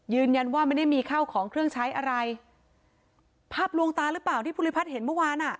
ยืนยันว่าไม่ได้มีข้าวของเครื่องใช้อะไรภาพลวงตาหรือเปล่าที่ภูริพัฒน์เห็นเมื่อวานอ่ะ